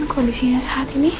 kondisinya saat ini